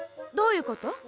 どういうこと？